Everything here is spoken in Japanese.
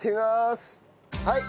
はい！